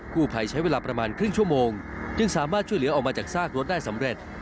ผู้ภัยใช้เวลาประมาณครึ่งชั่วโมงจึงสามารถช่วยเหลือออกมาจากซากรถได้สำเร็จ